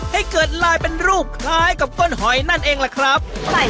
ให้เกิดลายเป็นรูปคล้ายกับก้นหอยนั่นเองล่ะครับ